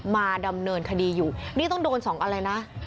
มาดำเนินคดีอยู่นี่ต้องโดน๒อะไรนะ